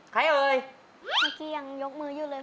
ใคร